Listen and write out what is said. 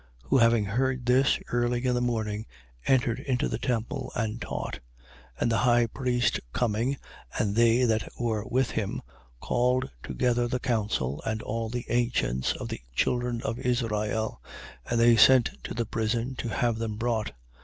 5:21. Who having heard this, early in the morning, entered into the temple and taught. And the high priest coming, and they that were with him, called together the council and all the ancients of the children of Israel: and they sent to the prison to have them brought.